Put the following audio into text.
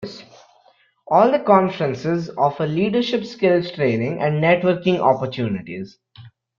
All the conferences offer leadership skills training and networking opportunities.